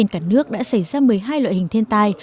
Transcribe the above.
cả nước đã xảy ra một mươi hai loại hình thiên tai